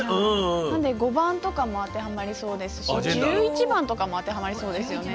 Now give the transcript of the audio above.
なので５番とかも当てはまりそうですし１１番とかも当てはまりそうですよね。